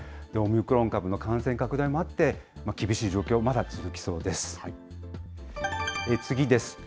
オミクロン株の感染拡大もあって、厳しい状況、まだ続きそうです。